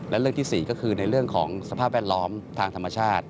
และเรื่องที่๔ก็คือในเรื่องของสภาพแวดล้อมทางธรรมชาติ